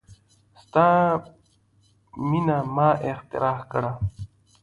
ستا میینه ما اختراع کړه